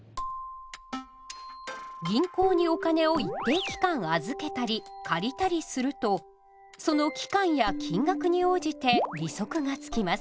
銀行にお金を一定期間預けたり借りたりするとその期間や金額に応じて「利息」が付きます。